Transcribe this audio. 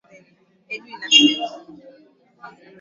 viazi lishe visiachwe mda mrefu ardhini